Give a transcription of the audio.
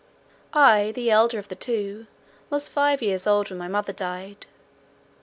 I, the elder of the two, was five years old when my mother died.